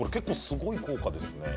すごい効果ですね。